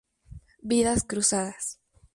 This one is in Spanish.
Vidas cruzadas".